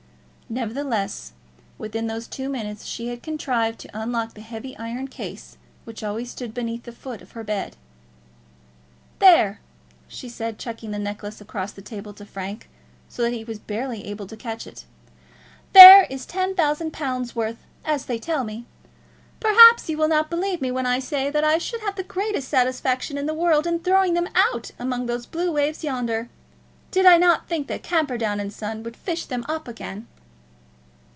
Nevertheless within those two minutes she had contrived to unlock the heavy iron case which always stood beneath the foot of her bed. "There," she said, chucking the necklace across the table to Frank, so that he was barely able to catch it. "There is ten thousand pounds' worth, as they tell me. Perhaps you will not believe me when I say that I should have the greatest satisfaction in the world in throwing them out among those blue waves yonder, did I not think that Camperdown and Son would fish them up again."